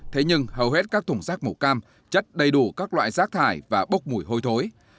thế nhưng hầu hết các thùng rác màu cam chất đầy đủ các loại rác thải và bốc mùi hôi thối